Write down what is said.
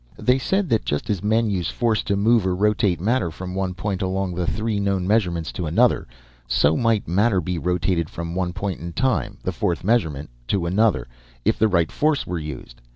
"They said that just as men use force to move or rotate matter from one point along the three known measurements to another, so might matter be rotated from one point in time, the fourth measurement, to another, if the right force were used.